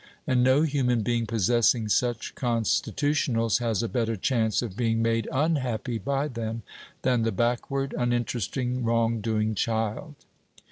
And no human being possessing such constitutionals has a better chance of being made unhappy by them than the backward, uninteresting, wrong doing child.